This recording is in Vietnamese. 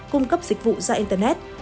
cung cấp dịch vụ ra internet